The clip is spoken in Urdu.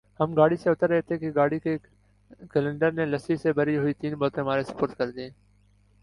ہم گاڑی سے اتر رہے تھے کہ گاڑی کے کلنڈر نے لسی سے بھری ہوئی تین بوتلیں ہمارے سپرد کر دیں ۔